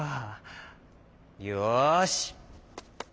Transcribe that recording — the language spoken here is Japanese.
よし。